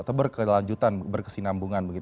atau berkelanjutan berkesinambungan